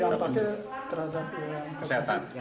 jangan pakai terasa kesehatan